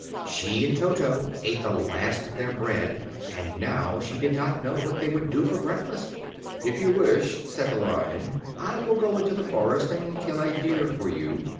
She and Toto ate the last of their bread, and now she did not know what they would do for breakfast. "If you wish," said the Lion, "I will go into the forest and kill a deer for you.